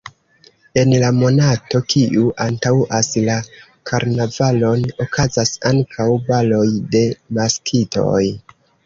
En la monato, kiu antaŭas la karnavalon, okazas ankaŭ baloj de maskitoj.